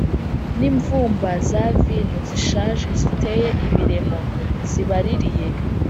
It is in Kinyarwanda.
N imvumba za vino zishaje ziteye ibiremo zibaririye